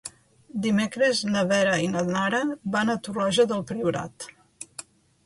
Dimecres na Vera i na Nara van a Torroja del Priorat.